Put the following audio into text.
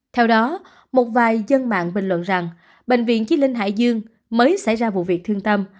theo đó một vài dân mạng bình luận rằng bệnh viện chí linh hải dương mới xảy ra vụ việc thương tâm